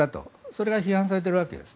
それが批判されているわけです。